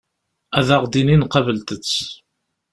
Ad aɣ-d-inin qablet-tt.